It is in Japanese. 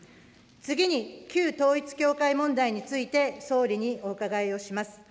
次に、旧統一教会問題について、総理にお伺いをします。